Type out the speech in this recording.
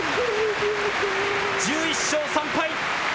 １１勝３敗。